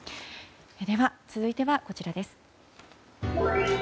では、続いてはこちらです。